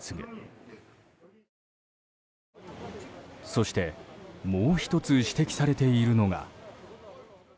そして、もう１つ指摘されているのが。